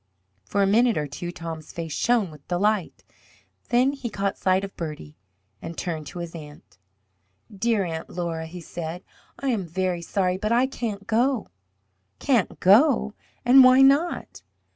For a minute or two Tom's face shone with delight. Then he caught sight of Bertie and turned to his aunt. "Dear Aunt Laura," he said, "I am very sorry, but I can't go." "Can't go? and why not?"